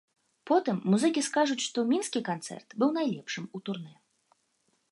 Потым музыкі скажуць, што мінскі канцэрт быў найлепшым у турнэ.